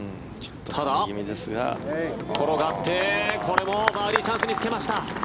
ただ、転がってこれもバーディーチャンスにつけました。